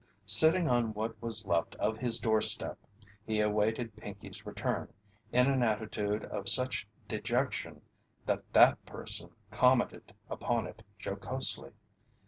Sitting on what was left of his doorstep, he awaited Pinkey's return, in an attitude of such dejection that that person commented upon it jocosely.